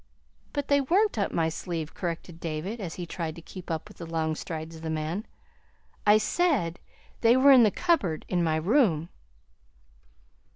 "But they weren't up my sleeve," corrected David, as he tried to keep up with the long strides of the man. "I SAID they were in the cupboard in my room."